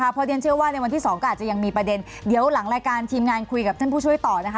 เพราะเรียนเชื่อว่าในวันที่๒ก็อาจจะยังมีประเด็นเดี๋ยวหลังรายการทีมงานคุยกับท่านผู้ช่วยต่อนะคะ